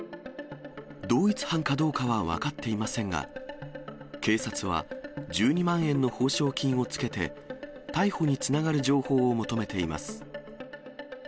同一犯かどうかは分かっていませんが、警察は１２万円の報奨金をつけて、逮捕につながる情報を求めています。